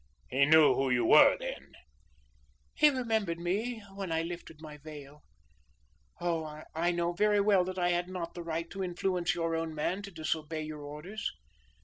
He knew who you were then?" "He remembered me when I lifted my veil. Oh, I know very well that I had not the right to influence your own man to disobey your orders.